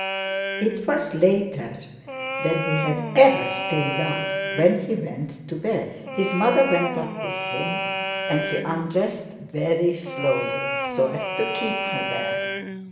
It was later than he had ever stayed up, when he went to bed. His mother went up with him, and he undressed very slowly so as to keep her there.